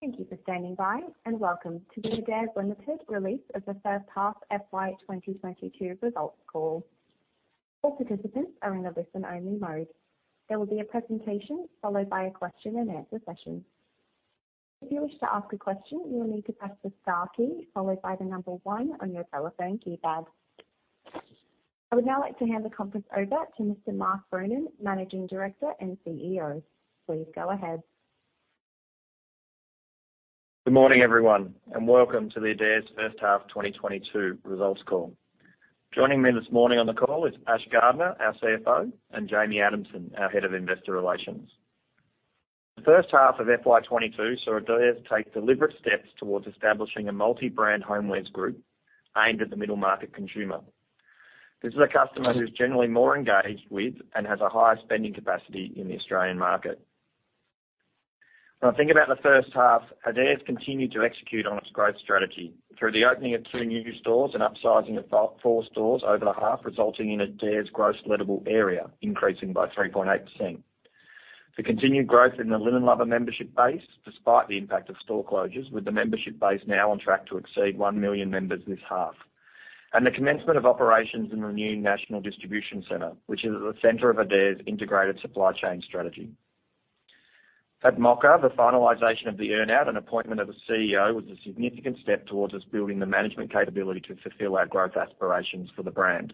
Thank you for standing by, and welcome to the Adairs Limited release of the H1 FY 2022 results call. All participants are in a listen-only mode. There will be a presentation followed by a question-and-answer session. If you wish to ask a question, you will need to press the Star key followed by the number one on your telephone keypad. I would now like to hand the conference over to Mr. Mark Ronan, Managing Director and CEO. Please go ahead. Good morning, everyone, and welcome to the Adairs H1 2022 results call. Joining me this morning on the call is Ash Gardner, our CFO, and Jamie Adamson, our Head of Investor Relations. The H1 of FY 2022 saw Adairs take deliberate steps towards establishing a multi-brand homewares group aimed at the middle market consumer. This is a customer who's generally more engaged with and has a higher spending capacity in the Australian market. When I think about the H1, Adairs continued to execute on its growth strategy through the opening of two new stores and upsizing of four stores over the half, resulting in Adairs' gross lettable area increasing by 3.8%. The continued growth in the Linen Lovers membership base, despite the impact of store closures, with the membership base now on track to exceed 1 million members this half. The commencement of operations in the new National Distribution Centre, which is at the center of Adairs' integrated supply chain strategy. At Mocka, the finalization of the earn-out and appointment of a CEO was a significant step towards us building the management capability to fulfill our growth aspirations for the brand.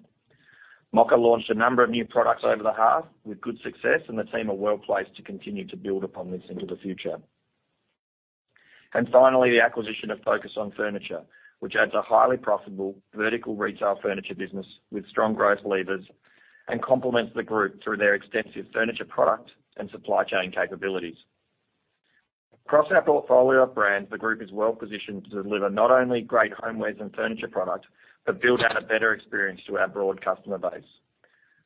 Mocka launched a number of new products over the half with good success, and the team are well-placed to continue to build upon this into the future. Finally, the acquisition of Focus on Furniture, which adds a highly profitable vertical retail furniture business with strong growth levers and complements the group through their extensive furniture product and supply chain capabilities. Across our portfolio of brands, the group is well-positioned to deliver not only great homewares and furniture product, but build out a better experience to our broad customer base.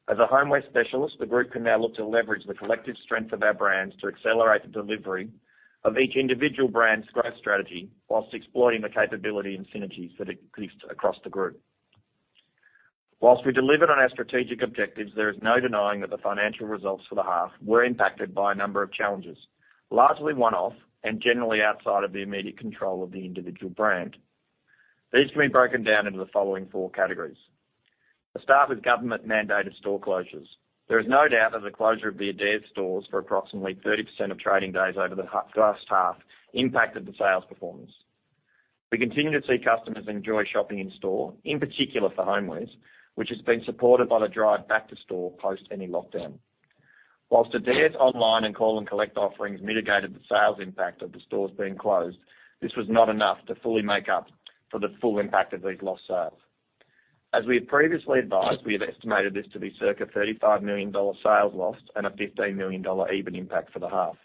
As a homeware specialist, the group can now look to leverage the collective strength of our brands to accelerate the delivery of each individual brand's growth strategy while exploiting the capability and synergies that exist across the group. While we delivered on our strategic objectives, there is no denying that the financial results for the half were impacted by a number of challenges, largely one-off and generally outside of the immediate control of the individual brand. These can be broken down into the following four categories. Let's start with government-mandated store closures. There is no doubt that the closure of the Adairs stores for approximately 30% of trading days over the H1 impacted the sales performance. We continue to see customers enjoy shopping in store, in particular for homewares, which has been supported by the drive back to store post any lockdown. While Adairs' online and call-and-collect offerings mitigated the sales impact of the stores being closed, this was not enough to fully make up for the full impact of these lost sales. As we had previously advised, we have estimated this to be circa 35 million dollar sales lost and a 15 million dollar EBIT impact for the half.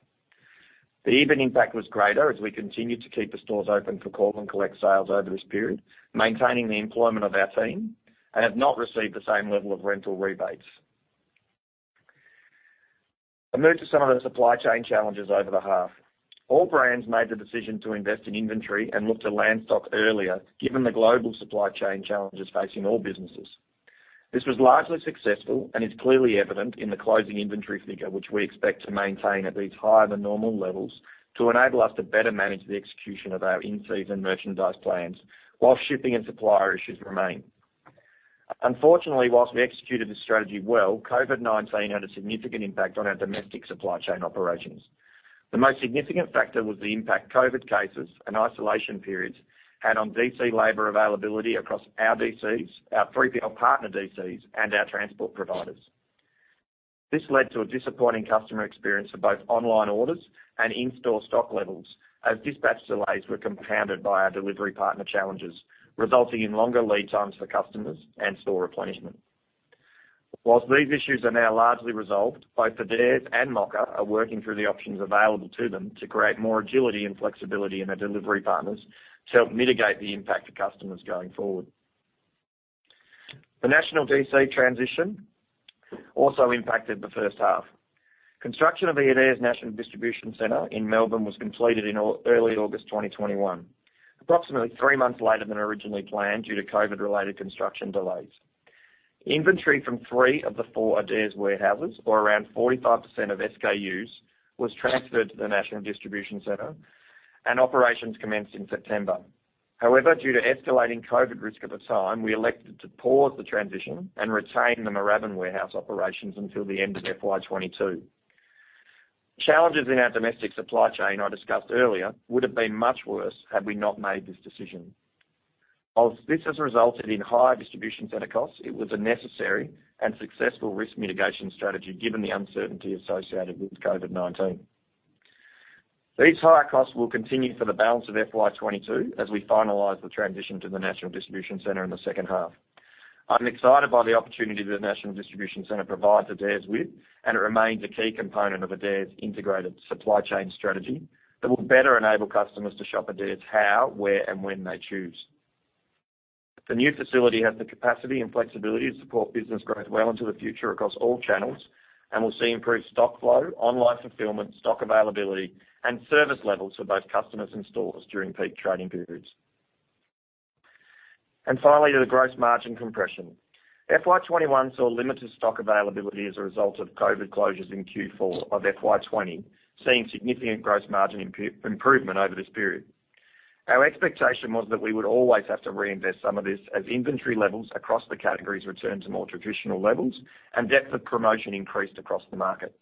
The EBIT impact was greater as we continued to keep the stores open for call-and-collect sales over this period, maintaining the employment of our team, and have not received the same level of rental rebates. I'll move to some of the supply chain challenges over the half. All brands made the decision to invest in inventory and look to land stock earlier, given the global supply chain challenges facing all businesses. This was largely successful and is clearly evident in the closing inventory figure, which we expect to maintain at these higher-than-normal levels to enable us to better manage the execution of our in-season merchandise plans while shipping and supplier issues remain. Unfortunately, while we executed this strategy well, COVID-19 had a significant impact on our domestic supply chain operations. The most significant factor was the impact COVID cases and isolation periods had on D.C. labor availability across our DCs, our 3PL partner DCs, and our transport providers. This led to a disappointing customer experience for both online orders and in-store stock levels as dispatch delays were compounded by our delivery partner challenges, resulting in longer lead times for customers and store replenishment. While these issues are now largely resolved, both Adairs and Mocka are working through the options available to them to create more agility and flexibility in their delivery partners to help mitigate the impact to customers going forward. The national D.C. transition also impacted the H1. Construction of the Adairs National Distribution Centre in Melbourne was completed in early August 2021, approximately three months later than originally planned due to COVID-related construction delays. Inventory from three of the four Adairs warehouses, or around 45% of SKUs, was transferred to the National Distribution Centre, and operations commenced in September. However, due to escalating COVID risk at the time, we elected to pause the transition and retain the Moorabbin warehouse operations until the end of FY 2022. Challenges in our domestic supply chain I discussed earlier would have been much worse had we not made this decision. While this has resulted in higher distribution center costs, it was a necessary and successful risk mitigation strategy given the uncertainty associated with COVID-19. These higher costs will continue for the balance of FY 2022 as we finalize the transition to the National Distribution Centre in the H2. I'm excited by the opportunity that the National Distribution Centre provides Adairs with, and it remains a key component of Adairs' integrated supply chain strategy that will better enable customers to shop Adairs how, where, and when they choose. The new facility has the capacity and flexibility to support business growth well into the future across all channels and will see improved stock flow, online fulfillment, stock availability, and service levels for both customers and stores during peak trading periods. Finally, to the gross margin compression. FY 2021 saw limited stock availability as a result of COVID closures in Q4 of FY 2020, seeing significant gross margin improvement over this period. Our expectation was that we would always have to reinvest some of this as inventory levels across the categories return to more traditional levels, and depth of promotion increased across the market.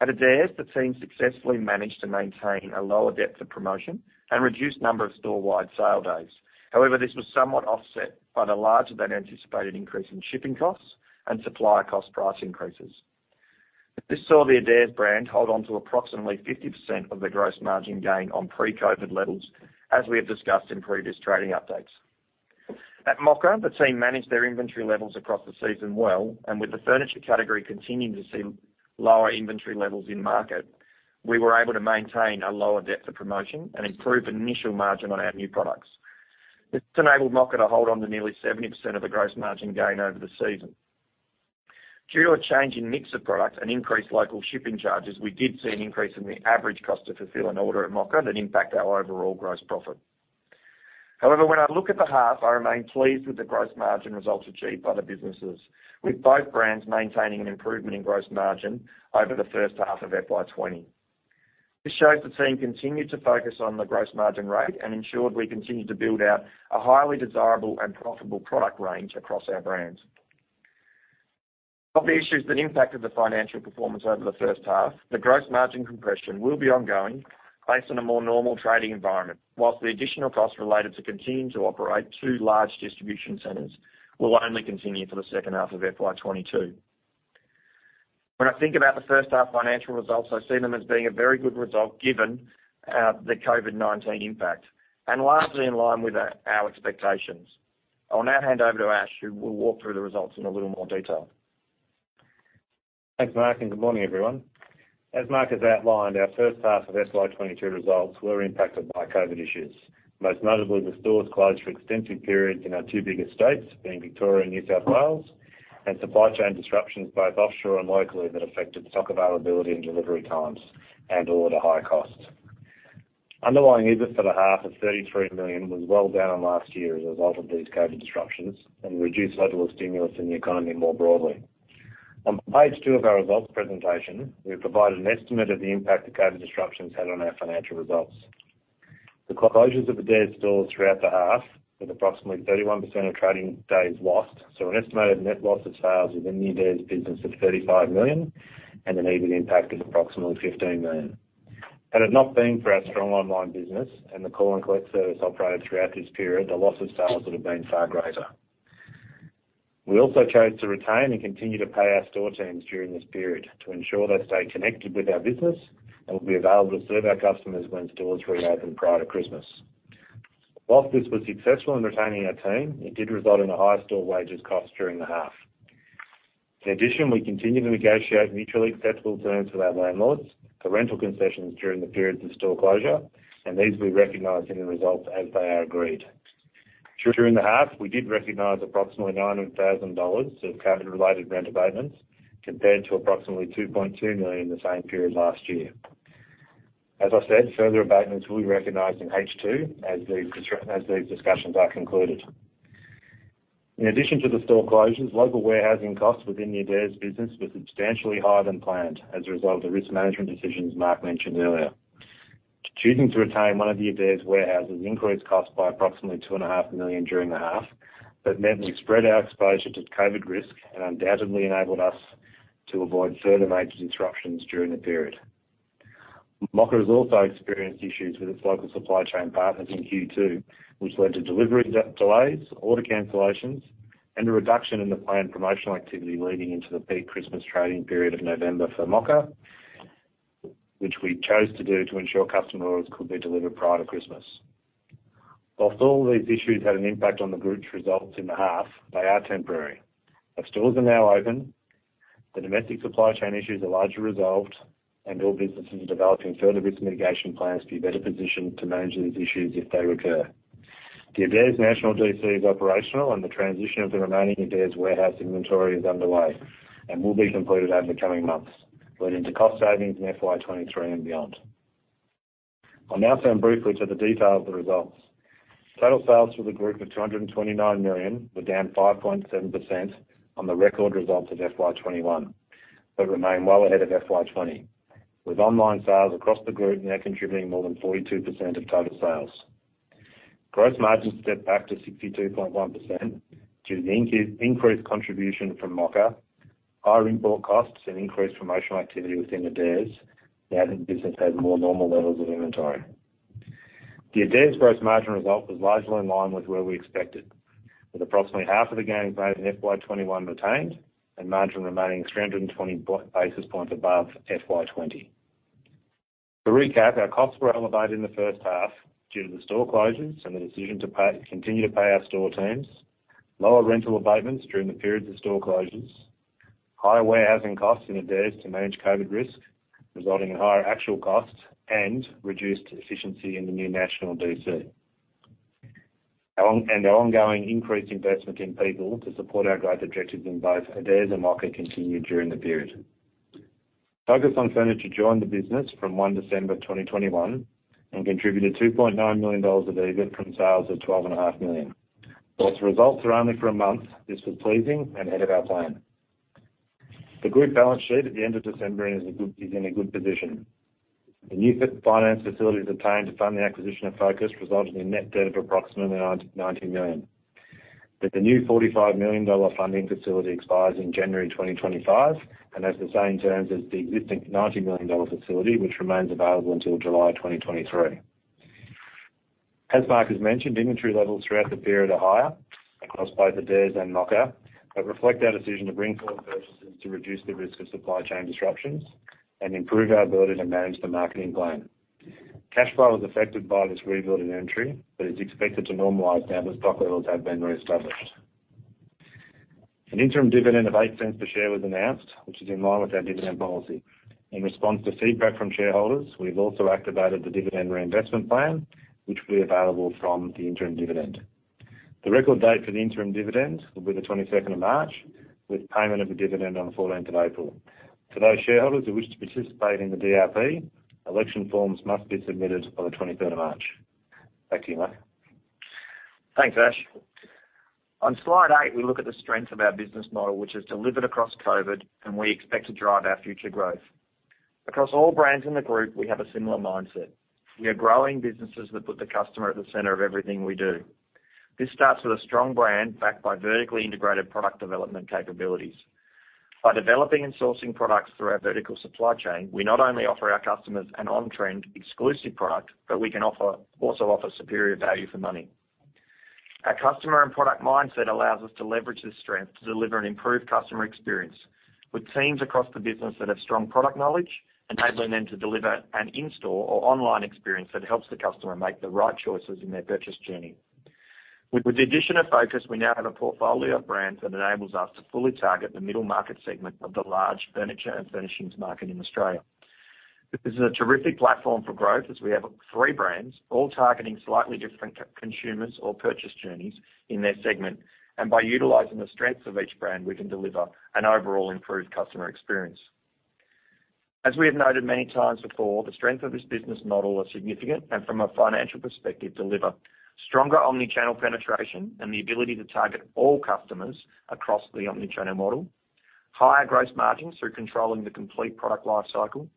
At Adairs, the team successfully managed to maintain a lower depth of promotion and reduced number of storewide sale days. However, this was somewhat offset by the larger than anticipated increase in shipping costs and supplier cost price increases. This saw the Adairs brand hold on to approximately 50% of the gross margin gain on pre-COVID levels, as we have discussed in previous trading updates. At Mocka, the team managed their inventory levels across the season well, and with the furniture category continuing to see lower inventory levels in market, we were able to maintain a lower depth of promotion and improve initial margin on our new products. This enabled Mocka to hold on to nearly 70% of the gross margin gain over the season. Due to a change in mix of product and increased local shipping charges, we did see an increase in the average cost to fulfill an order at Mocka that impact our overall gross profit. However, when I look at the half, I remain pleased with the gross margin results achieved by the businesses. With both brands maintaining an improvement in gross margin over the H1 of FY 2020. This shows the team continued to focus on the gross margin rate and ensured we continued to build out a highly desirable and profitable product range across our brands. Of the issues that impacted the financial performance over the H1, the gross margin compression will be ongoing based on a more normal trading environment. While the additional costs related to continuing to operate two large distribution centers will only continue for the H2 of FY 2022. When I think about the H1 financial results, I see them as being a very good result given the COVID-19 impact, and largely in line with our expectations. I'll now hand over to Ash, who will walk through the results in a little more detail. Thanks, Mark, and good morning, everyone. As Mark has outlined, our H1 of FY 2022 results were impacted by COVID issues. Most notably, the stores closed for extensive periods in our two biggest states, being Victoria and New South Wales, and supply chain disruptions, both offshore and locally that affected stock availability and delivery times, and all at a high cost. Underlying EBIT for the half of 33 million was well down on last year as a result of these COVID disruptions, and reduced level of stimulus in the economy more broadly. On page two of our results presentation, we've provided an estimate of the impact that COVID disruptions had on our financial results. The closures of Adairs stores throughout the half, with approximately 31% of trading days lost, so an estimated net loss of sales within the Adairs business of 35 million and an EBIT impact of approximately 15 million. Had it not been for our strong online business and the click and collect service operated throughout this period, the loss of sales would have been far greater. We also chose to retain and continue to pay our store teams during this period to ensure they stay connected with our business and will be available to serve our customers when stores reopened prior to Christmas. While this was successful in retaining our team, it did result in a higher store wages cost during the half. In addition, we continue to negotiate mutually acceptable terms with our landlords for rental concessions during the periods of store closure, and these we recognize in the results as they are agreed. During the half, we did recognize approximately 900,000 dollars of COVID-related rent abatements, compared to approximately 2.2 million the same period last year. As I said, further abatements will be recognized in H2 as these discussions are concluded. In addition to the store closures, local warehousing costs within the Adairs business were substantially higher than planned as a result of the risk management decisions Mark mentioned earlier. Choosing to retain one of the Adairs warehouses increased costs by approximately 2.5 million during the half, but meant we spread our exposure to COVID risk and undoubtedly enabled us to avoid further major disruptions during the period. Mocka has also experienced issues with its local supply chain partners in Q2, which led to delivery delays, order cancellations, and a reduction in the planned promotional activity leading into the peak Christmas trading period of November for Mocka, which we chose to do to ensure customer orders could be delivered prior to Christmas. While all these issues had an impact on the group's results in the half, they are temporary. Our stores are now open, the domestic supply chain issues are largely resolved, and all businesses are developing further risk mitigation plans to be better positioned to manage these issues if they recur. The Adairs National D.C. is operational, and the transition of the remaining Adairs warehouse inventory is underway and will be completed over the coming months, leading to cost savings in FY 2023 and beyond. I'll now turn briefly to the detail of the results. Total sales for the group of 229 million were down 5.7% on the record results of FY 2021, but remain well ahead of FY 2020, with online sales across the group now contributing more than 42% of total sales. Gross margins stepped back to 62.1% due to the increased contribution from Mocka, higher import costs and increased promotional activity within Adairs now that the business has more normal levels of inventory. The Adairs gross margin result was largely in line with where we expected, with approximately half of the gains made in FY 2021 retained and margin remaining 320 basis points above FY 2020. To recap, our costs were elevated in the H1 due to the store closures and the decision to pay, continue to pay our store teams, lower rental abatements during the periods of store closures, higher warehousing costs in Adairs to manage COVID risk, resulting in higher actual costs and reduced efficiency in the new national D.C. Our ongoing increased investment in people to support our growth objectives in both Adairs and Mocka continued during the period. Focus on Furniture joined the business from 1 December 2021 and contributed 2.9 million dollars of EBIT from sales of 12.5 million. While its results are only for a month, this was pleasing and ahead of our plan. The group balance sheet at the end of December is in a good position. The new finance facility obtained to fund the acquisition of Focus resulted in net debt of approximately 90 million. The new 45 million dollar funding facility expires in January 2025, and has the same terms as the existing 90 million dollar facility, which remains available until July 2023. As Mark has mentioned, inventory levels throughout the period are higher across both Adairs and Mocka, but reflect our decision to bring forward purchases to reduce the risk of supply chain disruptions and improve our ability to manage the marketing plan. Cash flow was affected by this rebuild in inventory, but is expected to normalize now that stock levels have been reestablished. An interim dividend of 0.08 per share was announced, which is in line with our dividend policy. In response to feedback from shareholders, we've also activated the dividend reinvestment plan, which will be available from the interim dividend. The record date for the interim dividend will be the 22nd of March, with payment of the dividend on the 14th of April. For those shareholders who wish to participate in the DRP, election forms must be submitted by the 23rd of March. Back to you, Mark. Thanks, Ash. On slide 8, we look at the strength of our business model, which has delivered across COVID, and we expect to drive our future growth. Across all brands in the group, we have a similar mindset. We are growing businesses that put the customer at the center of everything we do. This starts with a strong brand backed by vertically integrated product development capabilities. By developing and sourcing products through our vertical supply chain, we not only offer our customers an on-trend exclusive product, but we can also offer superior value for money. Our customer and product mindset allows us to leverage this strength to deliver an improved customer experience. With teams across the business that have strong product knowledge, enabling them to deliver an in-store or online experience that helps the customer make the right choices in their purchase journey. With the addition of Focus, we now have a portfolio of brands that enables us to fully target the middle market segment of the large furniture and furnishings market in Australia. This is a terrific platform for growth as we have three brands, all targeting slightly different co-consumers or purchase journeys in their segment. By utilizing the strengths of each brand, we can deliver an overall improved customer experience. As we have noted many times before, the strength of this business model are significant and from a financial perspective, deliver stronger omnichannel penetration and the ability to target all customers across the omnichannel model, higher gross margins through controlling the complete product life cycle,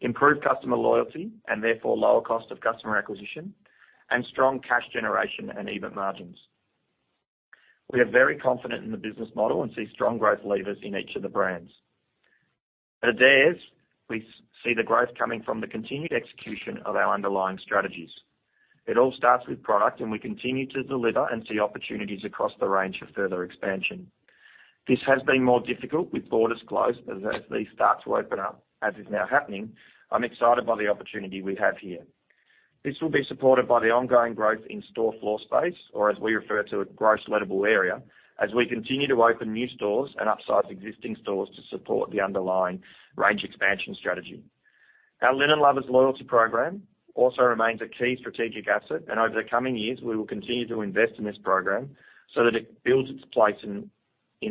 improve customer loyalty, and therefore, lower cost of customer acquisition, and strong cash generation and EBIT margins. We are very confident in the business model and see strong growth levers in each of the brands. At Adairs, we see the growth coming from the continued execution of our underlying strategies. It all starts with product, and we continue to deliver and see opportunities across the range for further expansion. This has been more difficult with borders closed. As these start to open up, as is now happening, I'm excited by the opportunity we have here. This will be supported by the ongoing growth in store floor space, or as we refer to as gross lettable area, as we continue to open new stores and upsize existing stores to support the underlying range expansion strategy. Our Linen Lovers loyalty program also remains a key strategic asset, and over the coming years, we will continue to invest in this program so that it builds its place in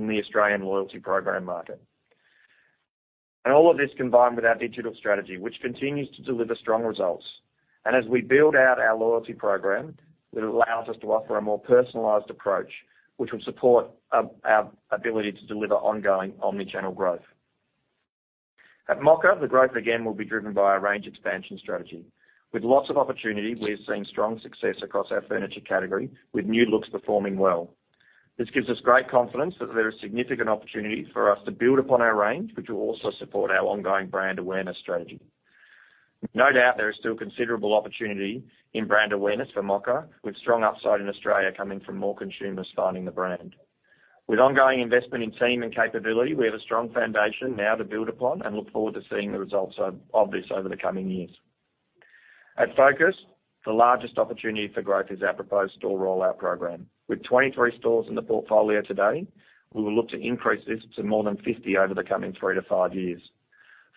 the Australian loyalty program market. All of this combined with our digital strategy, which continues to deliver strong results. As we build out our loyalty program, it allows us to offer a more personalized approach, which will support our ability to deliver ongoing omnichannel growth. At Mocka, the growth again will be driven by our range expansion strategy. With lots of opportunity, we're seeing strong success across our furniture category, with new looks performing well. This gives us great confidence that there are significant opportunities for us to build upon our range, which will also support our ongoing brand awareness strategy. No doubt there is still considerable opportunity in brand awareness for Mocka, with strong upside in Australia coming from more consumers finding the brand. With ongoing investment in team and capability, we have a strong foundation now to build upon and look forward to seeing the results of this over the coming years. At Focus, the largest opportunity for growth is our proposed store rollout program. With 23 stores in the portfolio today, we will look to increase this to more than 50 over the coming three-five years.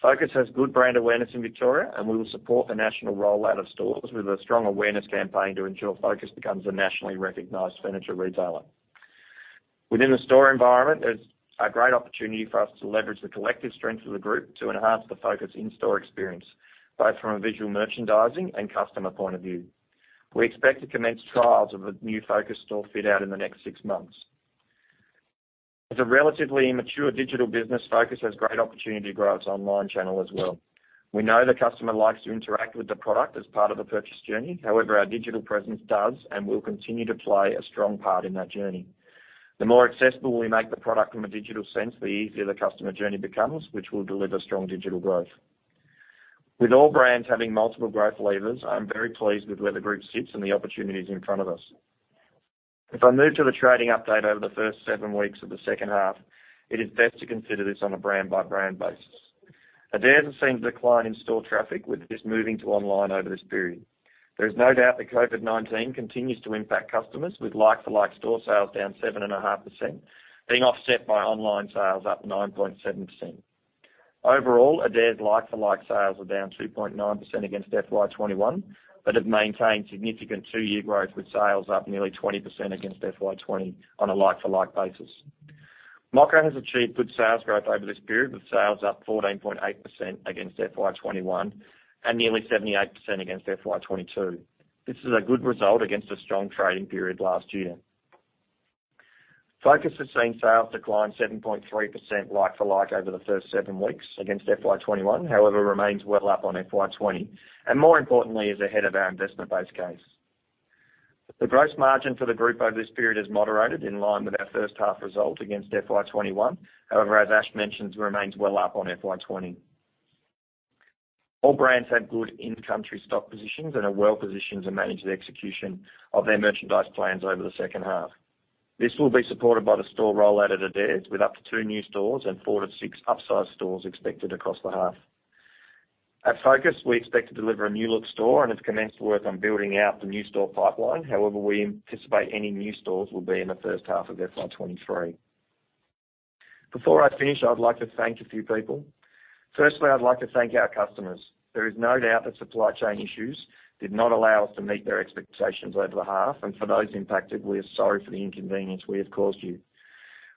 Focus has good brand awareness in Victoria, and we will support the national rollout of stores with a strong awareness campaign to ensure Focus becomes a nationally recognized furniture retailer. Within the store environment, there's a great opportunity for us to leverage the collective strength of the group to enhance the Focus in-store experience, both from a visual merchandising and customer point of view. We expect to commence trials of a new Focus store fit-out in the next six months. As a relatively immature digital business, Focus has great opportunity to grow its online channel as well. We know the customer likes to interact with the product as part of a purchase journey. However, our digital presence does and will continue to play a strong part in that journey. The more accessible we make the product from a digital sense, the easier the customer journey becomes, which will deliver strong digital growth. With all brands having multiple growth levers, I'm very pleased with where the group sits and the opportunities in front of us. If I move to the trading update over the first seven weeks of the H2, it is best to consider this on a brand-by-brand basis. Adairs has seen a decline in store traffic with this moving to online over this period. There is no doubt that COVID-19 continues to impact customers with like-for-like store sales down 7.5%, being offset by online sales up 9.7%. Overall, Adairs like-for-like sales are down 2.9% against FY 2021, but have maintained significant two-year growth with sales up nearly 20% against FY 2020 on a like-for-like basis. Mocka has achieved good sales growth over this period, with sales up 14.8% against FY 2021 and nearly 78% against FY 2022. This is a good result against a strong trading period last year. Focus has seen sales decline 7.3% like for like over the first seven weeks against FY 2021. However, it remains well up on FY 2020, and more importantly is ahead of our investment base case. The gross margin for the group over this period has moderated in line with our H1 result against FY 2021. However, as Ash mentions, it remains well up on FY 2020. All brands have good in-country stock positions and are well positioned to manage the execution of their merchandise plans over the H2. This will be supported by the store rollout at Adairs, with up to two new stores and four-six upsized stores expected across the half. At Focus, we expect to deliver a new look store and have commenced work on building out the new store pipeline. However, we anticipate any new stores will be in the H1 of FY 2023. Before I finish, I'd like to thank a few people. Firstly, I'd like to thank our customers. There is no doubt that supply chain issues did not allow us to meet their expectations over the half, and for those impacted, we are sorry for the inconvenience we have caused you.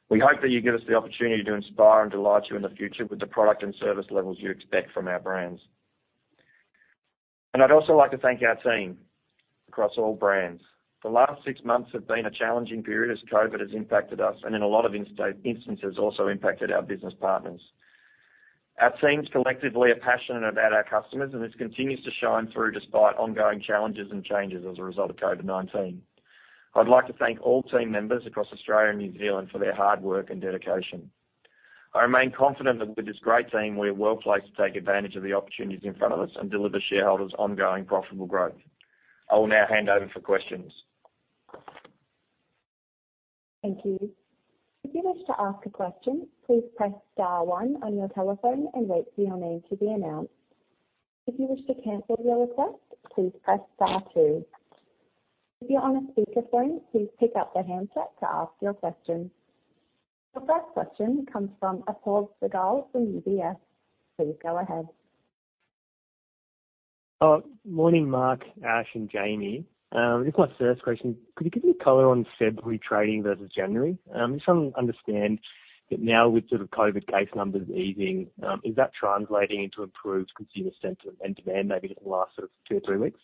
We hope that you give us the opportunity to inspire and delight you in the future with the product and service levels you expect from our brands. I'd also like to thank our team across all brands. The last six months have been a challenging period as COVID has impacted us, and in a lot of instances, also impacted our business partners. Our teams collectively are passionate about our customers and this continues to shine through despite ongoing challenges and changes as a result of COVID-19. I'd like to thank all team members across Australia and New Zealand for their hard work and dedication. I remain confident that with this great team, we are well placed to take advantage of the opportunities in front of us and deliver shareholders ongoing profitable growth. I will now hand over for questions. The first question comes from Apoorv Sehgal from UBS. Please go ahead. Morning, Mark, Ash, and Jamie. Just my first question. Could you give me color on February trading versus January? Just trying to understand that now with sort of COVID case numbers easing, is that translating into improved consumer sentiment and demand maybe in the last sort of two or three weeks?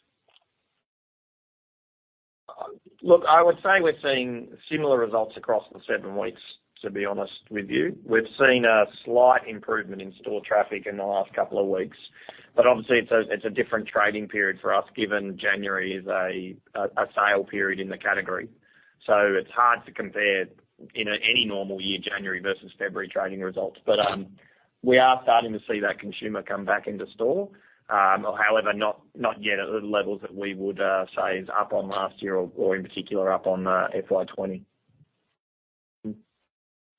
Look, I would say we're seeing similar results across the seven weeks, to be honest with you. We've seen a slight improvement in store traffic in the last couple of weeks, but obviously it's a different trading period for us, given January is a sale period in the category. It's hard to compare in any normal year, January versus February trading results. We are starting to see that consumer come back into store. However, not yet at the levels that we would say is up on last year or in particular up on FY 2020.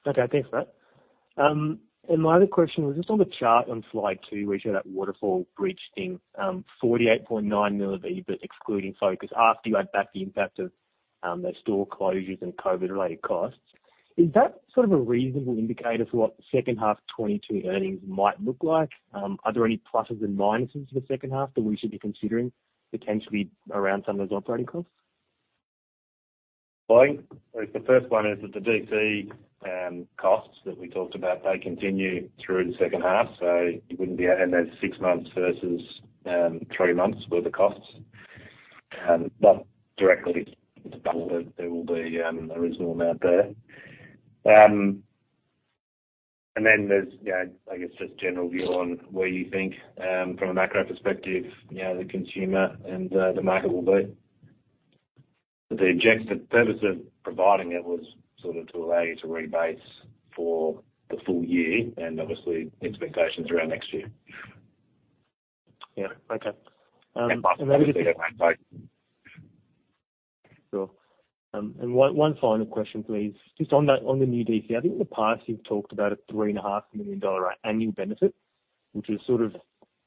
Okay, thanks for that. And my other question was just on the chart on slide two, where you show that waterfall bridge thing, 48.9 million of EBIT excluding Focus after you add back the impact of those store closures and COVID-related costs. Is that sort of a reasonable indicator for what the H2 2022 earnings might look like? Are there any pluses and minuses for the H2 that we should be considering potentially around some of those operating costs? Well, I think the first one is that the D.C. costs that we talked about, they continue through the H2, so you wouldn't be adding those six months versus three months worth of costs. Not directly, there will be a reasonable amount there. Then there's, you know, I guess just general view on where you think, from a macro perspective, you know, the consumer and the market will be. The purpose of providing it was sort of to allow you to rebase for the full year and obviously expectations around next year. One final question, please. Just on the new D.C., I think in the past you've talked about an 3.5 million dollar annual benefit, which is sort of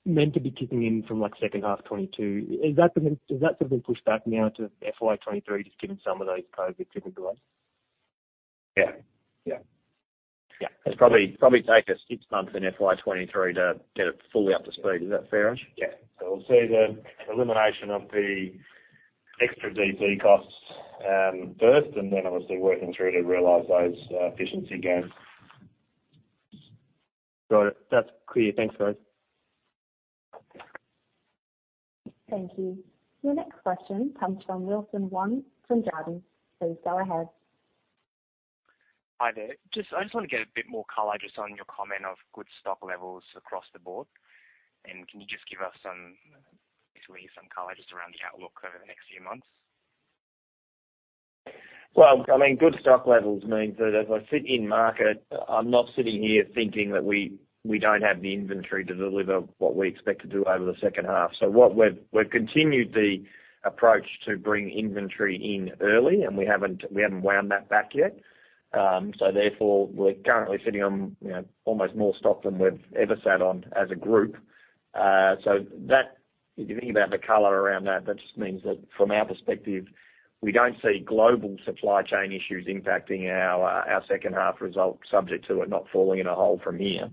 meant to be kicking in from like H2 2022. Is that something pushed back now to FY 2023, just given some of those COVID difficulties? Yeah. It's probably take us six months in FY 2023 to get it fully up to speed. Is that fair, Ash? Yeah. We'll see the elimination of the extra D.C. costs first and then obviously working through to realize those efficiency gains. Got it. That's clear. Thanks, guys. Thank you. Your next question comes from Wilson Wong from Jarden. Please go ahead. Hi there. I just want to get a bit more color just on your comment of good stock levels across the board. Can you just give us some, basically some color just around the outlook over the next few months? Well, I mean, good stock levels means that as I sit in market, I'm not sitting here thinking that we don't have the inventory to deliver what we expect to do over the H2. We've continued the approach to bring inventory in early, and we haven't wound that back yet. Therefore, we're currently sitting on, you know, almost more stock than we've ever sat on as a group. If you think about the color around that just means that from our perspective, we don't see global supply chain issues impacting our H2 results subject to it not falling in a hole from here.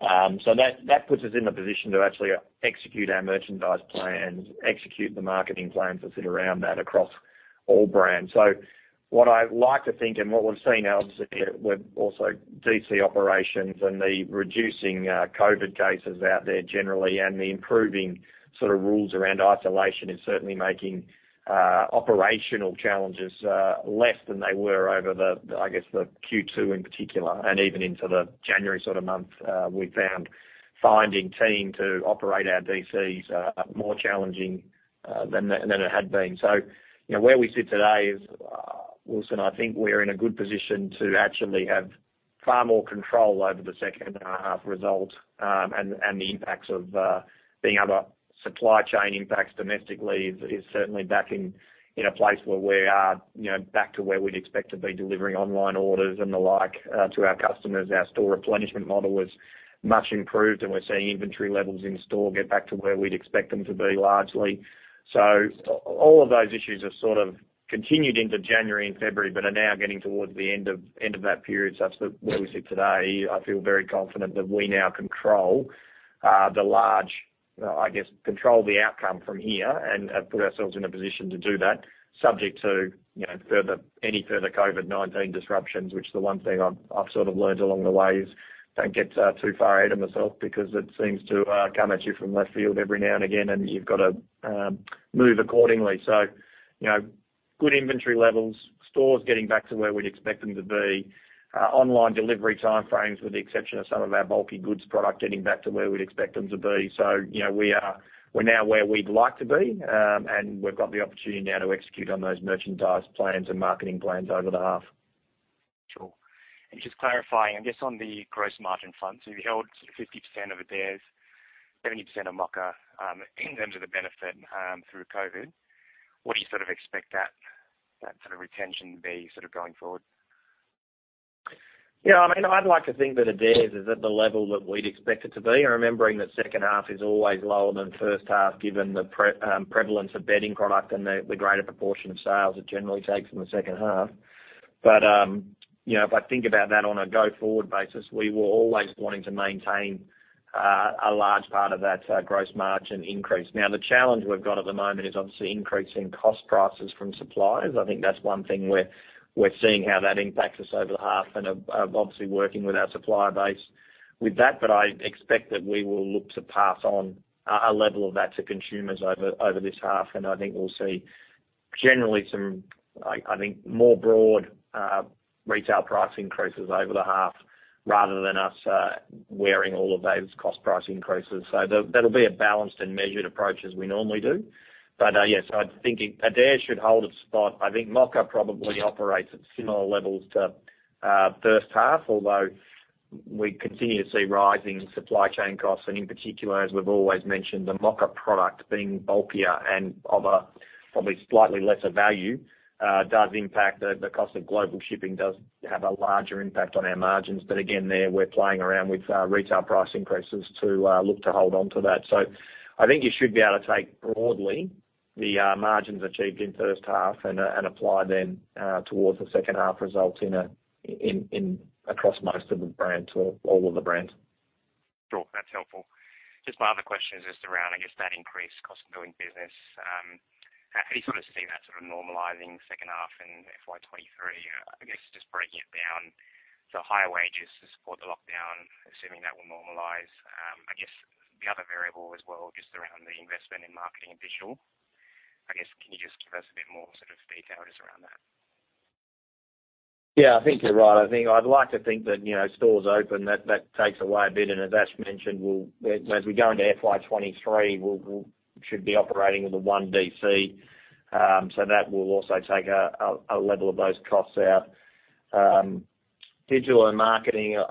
That puts us in a position to actually execute our merchandise plans, execute the marketing plans that sit around that across all brands. What I like to think, and what we've seen obviously with also D.C. operations and the reducing COVID cases out there generally, and the improving sort of rules around isolation, is certainly making operational challenges less than they were over the, I guess, the Q2 in particular, and even into the January sort of month, we found it more challenging finding teams to operate our DCs than it had been. You know, where we sit today is, Wilsons, I think we're in a good position to actually have far more control over the H2 result, and the impacts of the other supply chain impacts domestically is certainly back in a place where we are, you know, back to where we'd expect to be delivering online orders and the like to our customers. Our store replenishment model was much improved, and we're seeing inventory levels in store get back to where we'd expect them to be, largely. All of those issues have sort of continued into January and February, but are now getting towards the end of that period. Such that where we sit today, I feel very confident that we now control the large, I guess, control the outcome from here and have put ourselves in a position to do that, subject to, you know, any further COVID-19 disruptions, which the one thing I've sort of learned along the way is, don't get too far ahead of myself because it seems to come at you from left field every now and again, and you've gotta move accordingly. You know, good inventory levels, stores getting back to where we'd expect them to be, online delivery time frames with the exception of some of our bulky goods product getting back to where we'd expect them to be. You know, we're now where we'd like to be, and we've got the opportunity now to execute on those merchandise plans and marketing plans over the half. Sure. Just clarifying, I guess on the gross margin front, so you held 50% of Adairs, 70% of Mocka. In terms of the benefit, through COVID, what do you sort of expect that sort of retention be sort of going forward? Yeah, I mean, I'd like to think that Adairs is at the level that we'd expect it to be. Remembering that H2 is always lower than H1, given the prevalence of bedding product and the greater proportion of sales it generally takes in the H2. You know, if I think about that on a go-forward basis, we were always wanting to maintain a large part of that gross margin increase. Now, the challenge we've got at the moment is obviously increasing cost prices from suppliers. I think that's one thing we're seeing how that impacts us over the half and are obviously working with our supplier base with that. I expect that we will look to pass on a level of that to consumers over this half. I think we'll see generally some more broad retail price increases over the half, rather than us wearing all of those cost price increases. That'll be a balanced and measured approach as we normally do. Yes, I'd think Adairs should hold its spot. I think Mocka probably operates at similar levels to H1, although we continue to see rising supply chain costs, and in particular, as we've always mentioned, the Mocka product being bulkier and of a probably slightly lesser value does impact the cost of global shipping does have a larger impact on our margins. Again, there we're playing around with retail price increases to look to hold on to that. I think you should be able to take broadly the margins achieved in H1 and apply them towards the H2 results across most of the brands or all of the brands. Sure. That's helpful. Just my other question is just around, I guess, that increased cost of doing business. How do you sort of see that sort of normalizing H2 in FY 2023? I guess just breaking it down to higher wages to support the lockdown, assuming that will normalize. I guess the other variable as well, just around the investment in marketing and digital. I guess, can you just give us a bit more sort of detail just around that? Yeah, I think you're right. I'd like to think that, you know, stores open, that takes away a bit. As Ash mentioned, as we go into FY 2023, we should be operating with a 1 D.C., so that will also take a level of those costs out. Digital and marketing,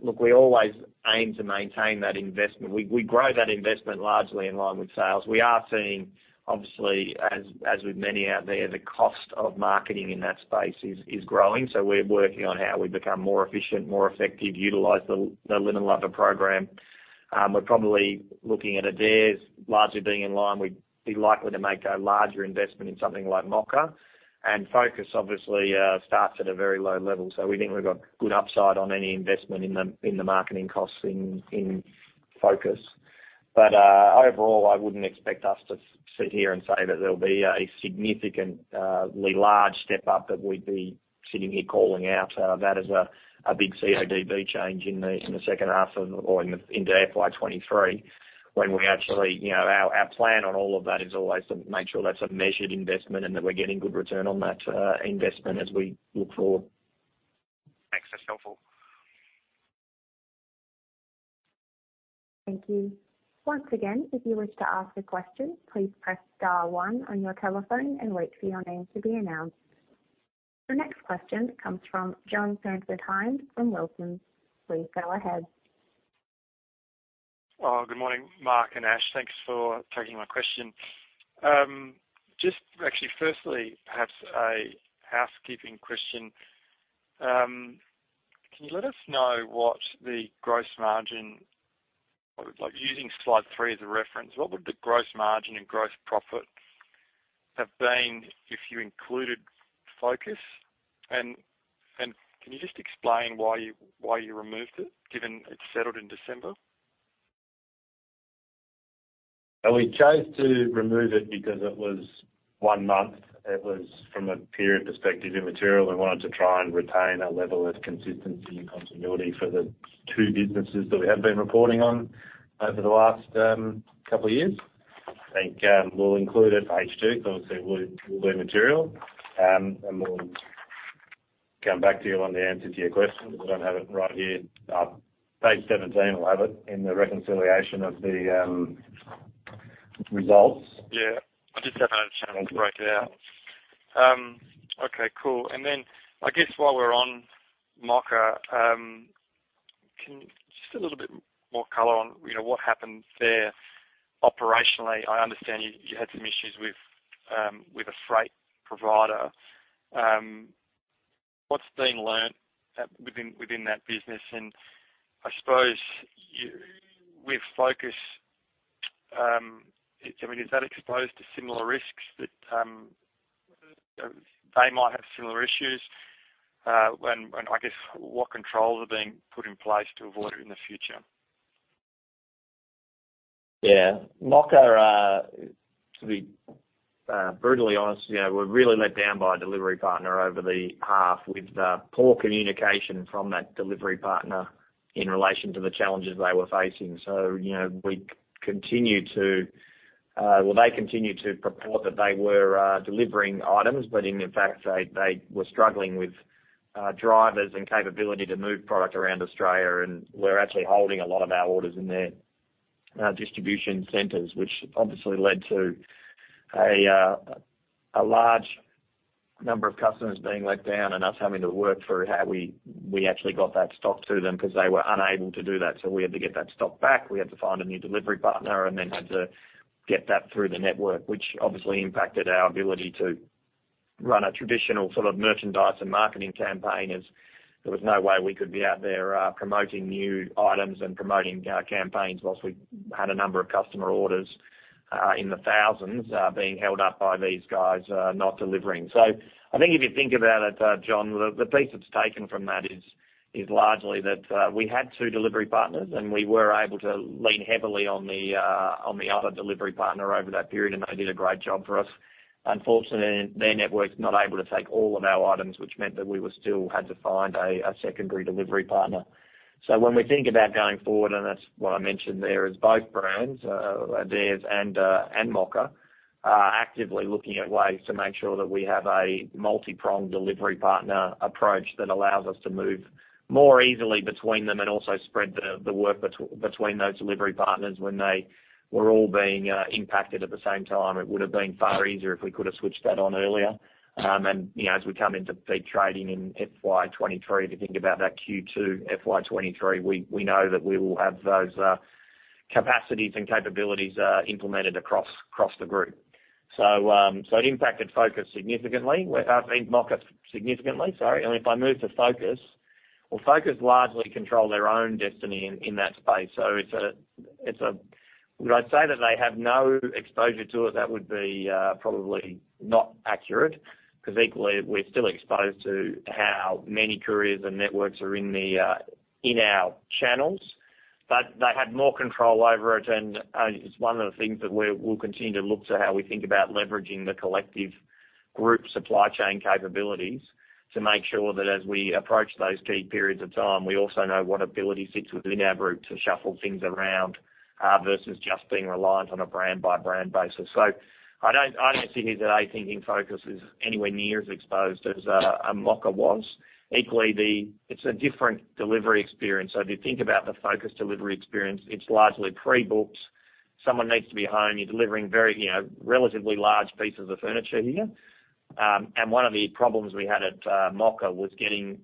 look, we always aim to maintain that investment. We grow that investment largely in line with sales. We are seeing, obviously, as with many out there, the cost of marketing in that space is growing. We're working on how we become more efficient, more effective, utilize the Linen Lovers program. We're probably looking at Adairs largely being in line. We'd be likely to make a larger investment in something like Mocka. Focus obviously starts at a very low level. We think we've got good upside on any investment in the marketing costs in Focus. Overall, I wouldn't expect us to sit here and say that there'll be a significantly large step up that we'd be sitting here calling out that is a big CODB change in the H2 or into FY 2023, when we actually, you know, our plan on all of that is always to make sure that's a measured investment and that we're getting good return on that investment as we look forward. Thanks. That's helpful. Thank you. Once again, if you wish to ask a question, please press star one on your telephone and wait for your name to be announced. The next question comes from John Hynd from Wilsons. Please go ahead. Well, good morning, Mark and Ash. Thanks for taking my question. Just actually firstly, perhaps a housekeeping question. Can you let us know what the gross margin, like using slide three as a reference, what would the gross margin and gross profit have been if you included Focus? And can you just explain why you removed it given it settled in December? We chose to remove it because it was one month. It was from a period perspective, immaterial, and we wanted to try and retain a level of consistency and continuity for the two businesses that we have been reporting on over the last couple of years. I think we'll include it for H2, 'cause obviously it will be material. We'll come back to you on the answer to your question, because I don't have it right here. Page 17 will have it in the reconciliation of the results. Yeah. I just haven't had a chance to break it out. Okay, cool. I guess while we're on Mocka, just a little bit more color on, you know, what happened there operationally. I understand you had some issues with a freight provider. What's being learned within that business? I suppose with Focus, I mean, is that exposed to similar risks that they might have similar issues, and I guess what controls are being put in place to avoid it in the future? Yeah. Mocka, to be brutally honest, you know, we're really let down by a delivery partner over the half with poor communication from that delivery partner in relation to the challenges they were facing. You know, they continued to purport that they were delivering items, but in fact, they were struggling with drivers and capability to move product around Australia. We're actually holding a lot of our orders in their distribution centers, which obviously led to a large number of customers being let down and us having to work through how we actually got that stock to them 'cause they were unable to do that. We had to get that stock back. We had to find a new delivery partner and then had to get that through the network, which obviously impacted our ability to run a traditional sort of merchandise and marketing campaign, as there was no way we could be out there promoting new items and promoting campaigns whilst we had a number of customer orders in the thousands being held up by these guys not delivering. I think if you think about it, John, the piece that's taken from that is largely that we had two delivery partners, and we were able to lean heavily on the other delivery partner over that period, and they did a great job for us. Unfortunately, their network's not able to take all of our items, which meant that we still had to find a secondary delivery partner. When we think about going forward, and that's what I mentioned there, is both brands, Adairs and Mocka are actively looking at ways to make sure that we have a multi-pronged delivery partner approach that allows us to move more easily between them and also spread the work between those delivery partners when they were all being impacted at the same time. It would have been far easier if we could have switched that on earlier. You know, as we come into peak trading in FY 2023, if you think about that Q2 FY 2023, we know that we will have those capacities and capabilities implemented across the group. It impacted Focus significantly. Well, I mean, Mocka significantly, sorry. If I move to Focus, well, Focus largely control their own destiny in that space. It's a would I say that they have no exposure to it? That would be probably not accurate 'cause equally we're still exposed to how many couriers and networks are in the in our channels. But they had more control over it and it's one of the things that we'll continue to look to how we think about leveraging the collective group supply chain capabilities to make sure that as we approach those key periods of time, we also know what ability sits within our group to shuffle things around versus just being reliant on a brand by brand basis. I don't see here today thinking Focus is anywhere near as exposed as Mocka was. Equally, it's a different delivery experience. If you think about the Focus delivery experience, it's largely pre-booked. Someone needs to be home. You're delivering very, you know, relatively large pieces of furniture here. One of the problems we had at Mocka was getting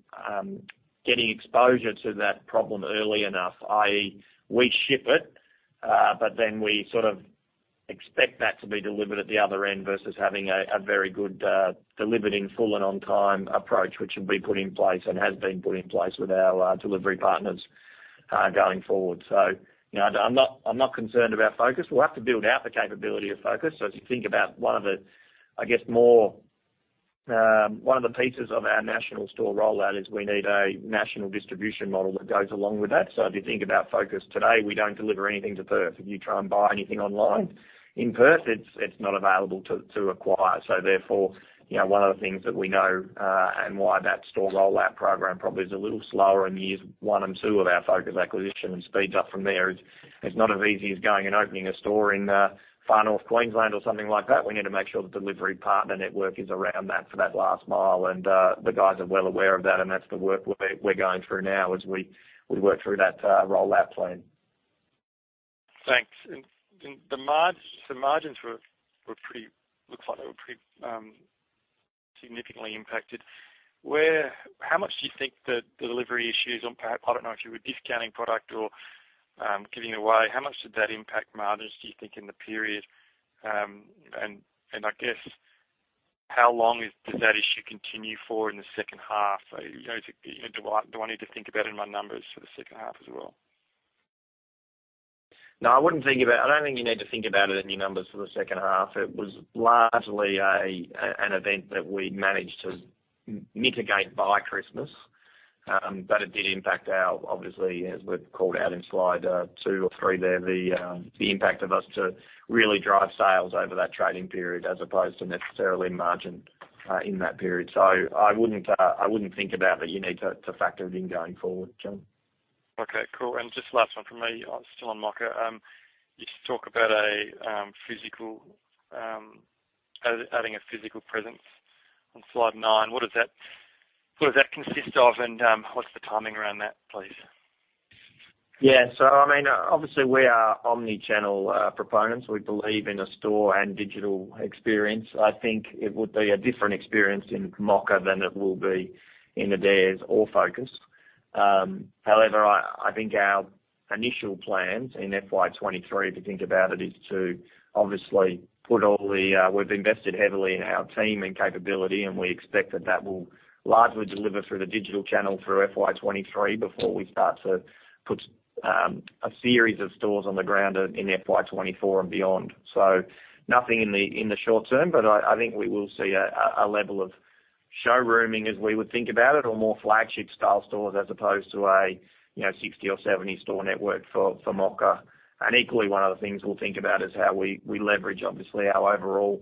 exposure to that problem early enough, i.e., we ship it, but then we sort of expect that to be delivered at the other end versus having a very good delivery in full and on time approach, which will be put in place and has been put in place with our delivery partners going forward. You know, I'm not concerned about Focus. We'll have to build out the capability of Focus. If you think about one of the pieces of our national store rollout, we need a national distribution model that goes along with that. If you think about Focus today, we don't deliver anything to Perth. If you try and buy anything online in Perth, it's not available to acquire. Therefore, you know, one of the things that we know, and why that store rollout program probably is a little slower in years one and two of our Focus acquisition and speeds up from there is, it's not as easy as going and opening a store in Far North Queensland or something like that. We need to make sure the delivery partner network is around that for that last mile. The guys are well aware of that, and that's the work we're going through now as we work through that rollout plan. Thanks. The margins were pretty significantly impacted. How much do you think the delivery issues, or perhaps I don't know if you were discounting product or giving away, how much did that impact margins, do you think, in the period? How long does that issue continue for in the H2? You know, do I need to think about in my numbers for the H2 as well? No, I don't think you need to think about it in your numbers for the H2. It was largely an event that we managed to mitigate by Christmas. But it did impact ours, obviously, as we've called out in slide two or three there, the impact on us to really drive sales over that trading period as opposed to necessarily margin in that period. I wouldn't think about that you need to factor it in going forward, John. Okay, cool. Just last one from me. Still on Mocka. You talk about adding a physical presence on slide nine. What does that consist of and what's the timing around that, please? Yeah. I mean, obviously we are omnichannel proponents. We believe in a store and digital experience. I think it would be a different experience in Mocka than it will be in Adairs or Focus. However, I think our initial plans in FY 2023, if you think about it, is to obviously we've invested heavily in our team and capability, and we expect that will largely deliver through the digital channel through FY 2023 before we start to put a series of stores on the ground in FY 2024 and beyond. Nothing in the short term, but I think we will see a level of showrooming as we would think about it or more flagship style stores as opposed to a you know, 60 or 70 store network for Mocka. Equally, one of the things we'll think about is how we leverage obviously our overall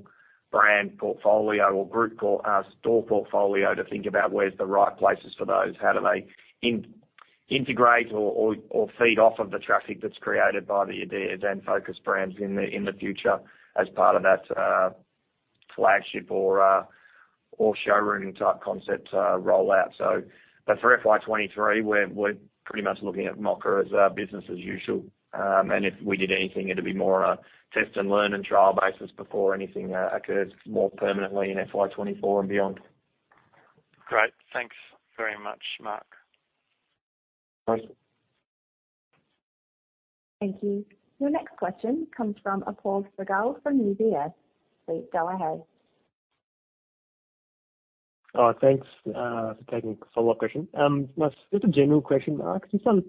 brand portfolio or store portfolio to think about where's the right places for those, how do they integrate or feed off of the traffic that's created by the Adairs and Focus brands in the future as part of that flagship or showrooming type concept rollout. But for FY 2023, we're pretty much looking at Mocka as business as usual. And if we did anything, it'd be more on a test and learn and trial basis before anything occurs more permanently in FY 2024 and beyond. Great. Thanks very much, Mark. Thanks. Thank you. Your next question comes from Apoorv Sehgal from UBS. Please go ahead. Thanks for taking a follow-up question. Just a general question, Mark. Just on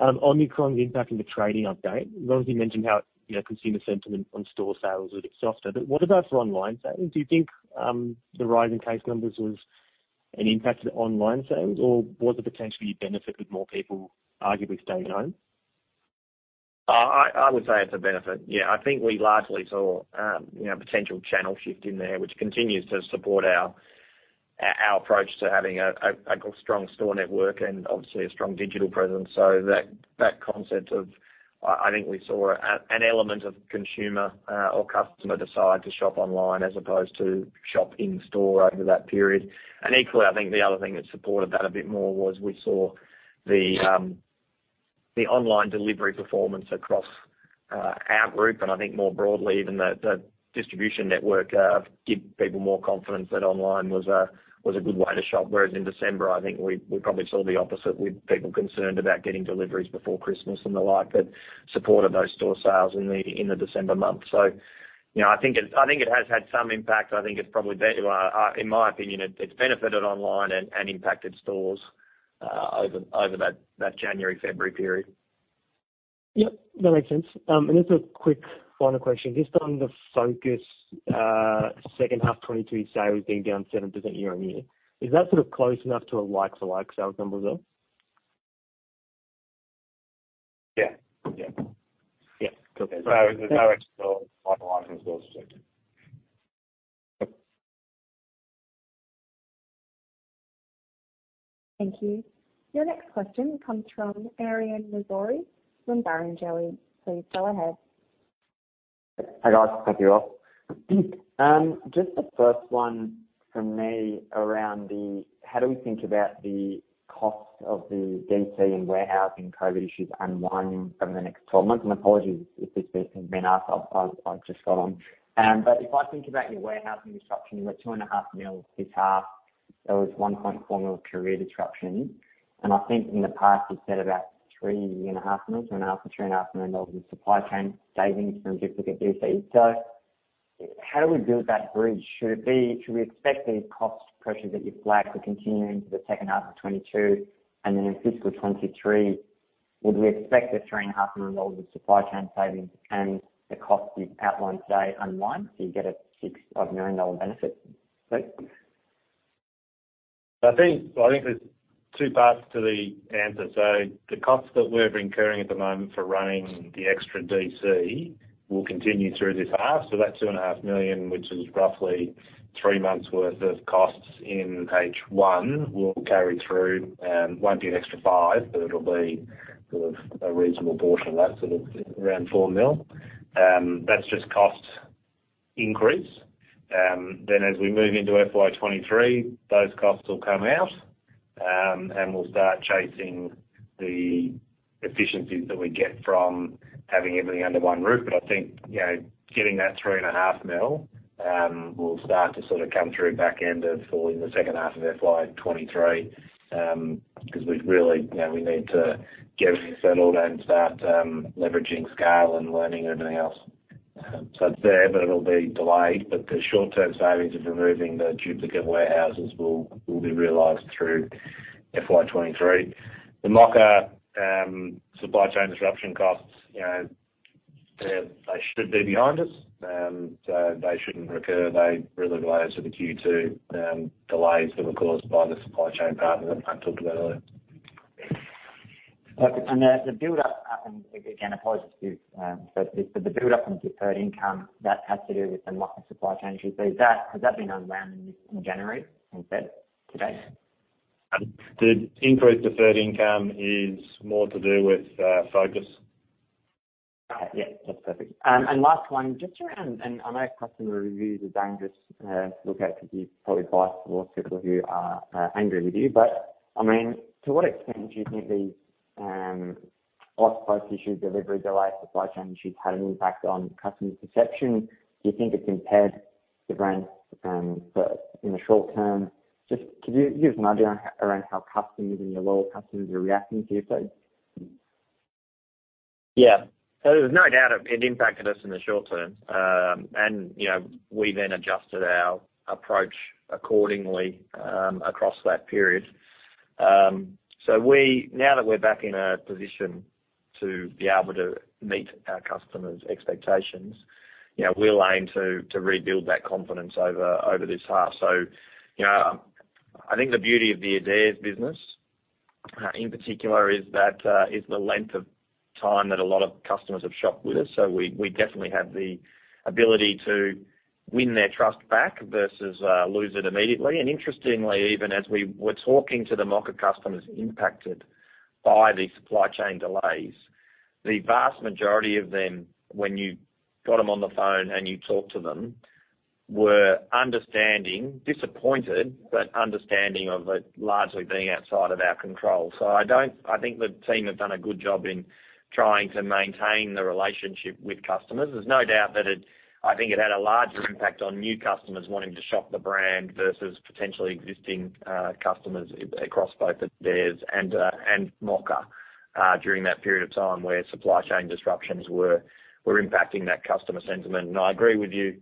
Omicron's impact in the trading update. Obviously you mentioned how consumer sentiment on store sales was a bit softer. What about for online sales? Do you think the rise in case numbers was an impact to the online sales? Or was it potentially a benefit with more people arguably staying home? I would say it's a benefit. Yeah, I think we largely saw, you know, potential channel shift in there, which continues to support our approach to having a strong store network and obviously a strong digital presence. That concept of I think we saw an element of consumer or customer decide to shop online as opposed to shop in store over that period. Equally, I think the other thing that supported that a bit more was we saw the online delivery performance across our group and I think more broadly even the distribution network give people more confidence that online was a good way to shop. Whereas in December, I think we probably saw the opposite with people concerned about getting deliveries before Christmas and the like that supported those store sales in the December month. You know, I think it has had some impact. I think it's probably in my opinion, it's benefited online and impacted stores over that January, February period. Yep, that makes sense. Just a quick final question. Just on the Focus, H2 2022 sales being down 7% year-on-year. Is that sort of close enough to a like-for-like sales number as well? Yeah. Yeah. Yeah. Cool. The direction of online and stores are similar. Yep. Thank you. Your next question comes from Aryan Norozi from Barrenjoey. Please go ahead. Hi, guys. Just the first one from me around how do we think about the cost of the D.C. and warehousing COVID issues unwinding over the next 12 months? Apologies if this has been asked. I've just got on. If I think about your warehousing disruption, you were 2.5 million this half. There was 1.4 million carrier disruption. I think in the past, you said about 3.5 million dollars, 2.5 million-3.5 million in supply chain savings from duplicate D.C. How do we build that bridge? Should we expect these cost pressures that you flagged to continue into the H2 of 2022? In FY 2023, would we expect the 3.5 million dollars of supply chain savings and the cost you've outlined today unwind, so you get a 6 million dollar benefit? Thanks. I think there's two parts to the answer. The costs that we're incurring at the moment for running the extra D.C. will continue through this half. That 2.5 million, which is roughly three months worth of costs in page one, will carry through. It won't be an extra 5 million, but it'll be sort of a reasonable portion of that, sort of around 4 million. That's just cost increase. As we move into FY 2023, those costs will come out, and we'll start chasing the efficiencies that we get from having everything under one roof. I think, you know, getting that 3.5 million will start to sort of come through back end of or in the H2 of FY 2023, 'cause we really, you know, we need to get everything settled and start leveraging scale and learning everything else. So it's there, but it'll be delayed. The short-term savings of removing the duplicate warehouses will be realized through FY 2023. The Mocka supply chain disruption costs, you know, they should be behind us. So they shouldn't recur. They really related to the Q2 delays that were caused by the supply chain partner that Mark talked about earlier. Okay. The buildup, again, apologies if the buildup in deferred income that has to do with the Mocka supply chain issues. Has that been unwound in January as of today? The increased deferred income is more to do with Focus. Yeah, that's perfect. I know customer reviews are dangerous to look at because you're probably biased towards people who are angry with you. But, I mean, to what extent do you think the last price issue, delivery delays, supply chain issues had an impact on customer perception? Do you think it's impaired the brand in the short term? Just could you give us an idea around how customers and your loyal customers are reacting to this though? Yeah. There's no doubt it impacted us in the short term. You know, we then adjusted our approach accordingly across that period. Now that we're back in a position to be able to meet our customers' expectations, you know, we'll aim to rebuild that confidence over this half. You know, I think the beauty of the Adairs business in particular is that the length of time that a lot of customers have shopped with us. We definitely have the ability to win their trust back versus lose it immediately. Interestingly, even as we were talking to the Mocka customers impacted by the supply chain delays, the vast majority of them, when you got them on the phone and you talk to them, were understanding, disappointed, but understanding of it largely being outside of our control. I think the team have done a good job in trying to maintain the relationship with customers. There's no doubt that I think it had a larger impact on new customers wanting to shop the brand versus potentially existing customers across both Adairs and Mocka during that period of time where supply chain disruptions were impacting that customer sentiment. I agree with you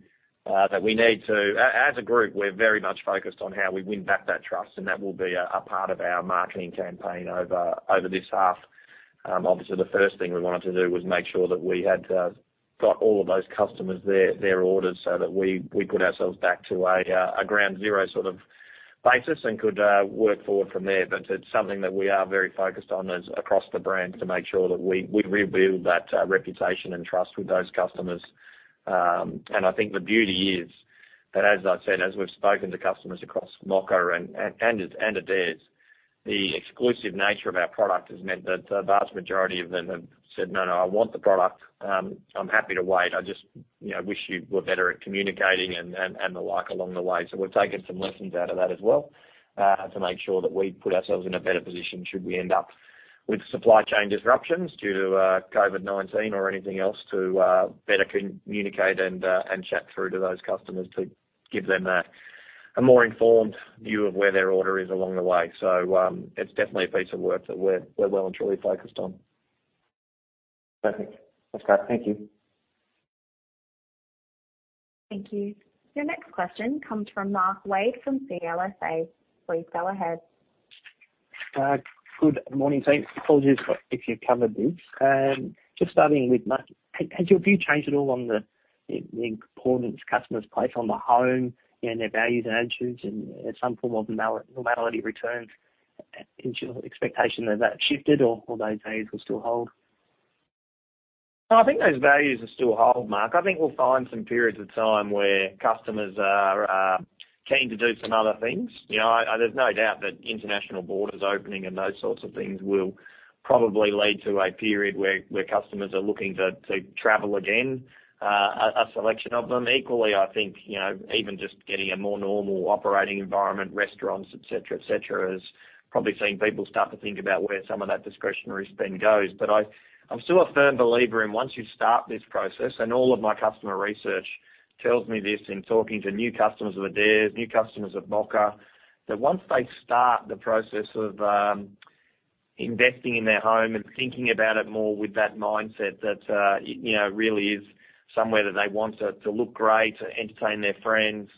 that we need to. As a group, we're very much focused on how we win back that trust, and that will be a part of our marketing campaign over this half. Obviously the first thing we wanted to do was make sure that we had got all of those customers their orders so that we put ourselves back to a ground zero sort of basis and could work forward from there. It's something that we are very focused on across the brand to make sure that we rebuild that reputation and trust with those customers. I think the beauty is that, as I said, as we've spoken to customers across Mocka and Adairs, the exclusive nature of our product has meant that the vast majority of them have said, "No, no, I want the product. I'm happy to wait. I just, you know, wish you were better at communicating," and the like along the way. We've taken some lessons out of that as well, to make sure that we put ourselves in a better position should we end up with supply chain disruptions due to COVID-19 or anything else to better communicate and chat through to those customers to give them a more informed view of where their order is along the way. It's definitely a piece of work that we're well and truly focused on. Perfect. That's great. Thank you. Thank you. Your next question comes from Mark Wade from CLSA. Please go ahead. Good morning to you. Apologies if you've covered this. Just starting with Mark, has your view changed at all on the importance customers place on the home and their values and attitudes and some form of normality returns? Is your expectation that shifted or those values will still hold? I think those values will still hold, Mark. I think we'll find some periods of time where customers are keen to do some other things. You know, there's no doubt that international borders opening and those sorts of things will probably lead to a period where customers are looking to travel again, a selection of them. Equally, I think, you know, even just getting a more normal operating environment, restaurants, et cetera, is probably seeing people start to think about where some of that discretionary spend goes. I'm still a firm believer in once you start this process, and all of my customer research tells me this in talking to new customers of Adairs, new customers of Mocka, that once they start the process of investing in their home and thinking about it more with that mindset that you know really is somewhere that they want to look great, to entertain their friends,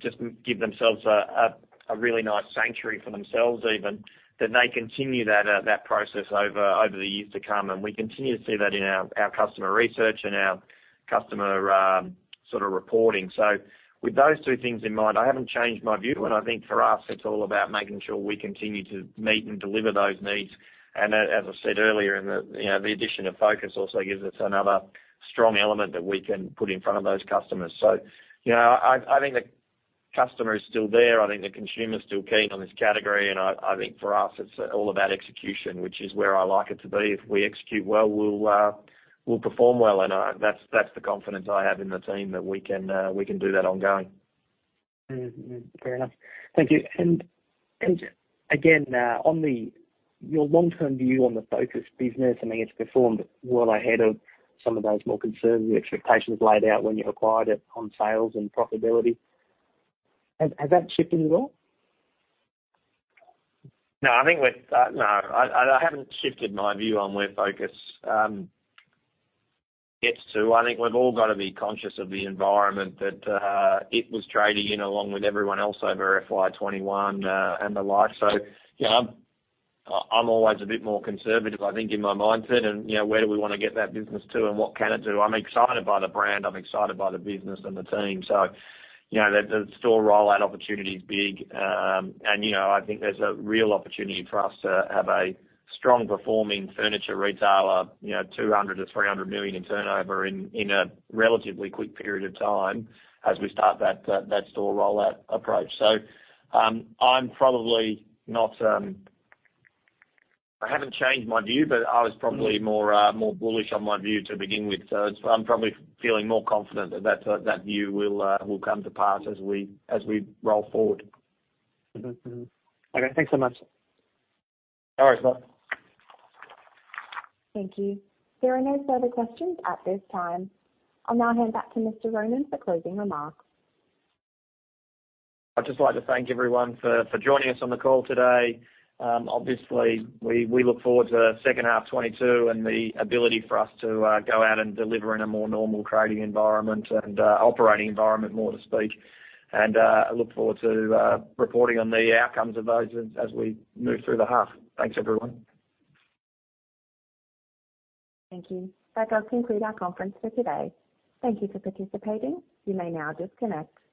just give themselves a really nice sanctuary for themselves even, that they continue that process over the years to come. We continue to see that in our customer research and our customer sort of reporting. With those two things in mind, I haven't changed my view. I think for us, it's all about making sure we continue to meet and deliver those needs. As I said earlier in the, you know, the addition of Focus also gives us another strong element that we can put in front of those customers. You know, I think the customer is still there. I think the consumer is still keen on this category. I think for us it's all about execution, which is where I like it to be. If we execute well, we'll perform well. That's the confidence I have in the team that we can do that ongoing. Mm-hmm. Fair enough. Thank you. Again, on your long-term view on the Focus business, I mean, it's performed well ahead of some of those more conservative expectations laid out when you acquired it on sales and profitability. Has that shifted at all? No, I haven't shifted my view on where Focus gets to. I think we've all got to be conscious of the environment that it was trading in along with everyone else over FY 2021 and the like. You know, I'm always a bit more conservative, I think, in my mindset and, you know, where do we wanna get that business to and what can it do? I'm excited by the brand. I'm excited by the business and the team. You know, the store rollout opportunity is big. You know, I think there's a real opportunity for us to have a strong performing furniture retailer, you know, 200 million or 300 million in turnover in a relatively quick period of time as we start that store rollout approach. I haven't changed my view, but I was probably more bullish on my view to begin with. I'm probably feeling more confident that view will come to pass as we roll forward. Mm-hmm. Okay. Thanks so much. No worries, Mark. Thank you. There are no further questions at this time. I'll now hand back to Mr. Ronan for closing remarks. I'd just like to thank everyone for joining us on the call today. Obviously we look forward to H2 2022 and the ability for us to go out and deliver in a more normal trading environment and operating environment, more to speak. I look forward to reporting on the outcomes of those as we move through the half. Thanks, everyone. Thank you. That does conclude our conference for today. Thank you for participating. You may now disconnect.